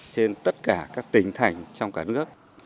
trên tất cả các tỉnh thành trong cả nước